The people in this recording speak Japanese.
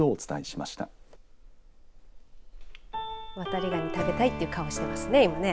ワタリガニ食べたいという顔してますね、今ね。